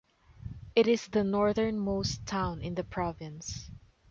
It is the northernmost town in the province.